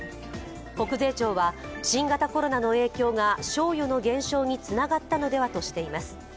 国税庁は新型コロナの影響が賞与の減少につながったのではとしています。